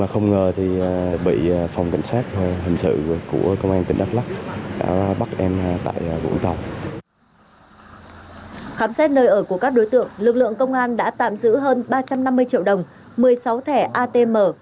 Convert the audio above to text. khám xét nơi ở của các đối tượng lực lượng công an đã tạm giữ hơn ba trăm năm mươi triệu đồng một mươi sáu thẻ atm